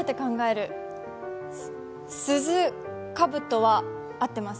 鈴、かぶとは合ってます。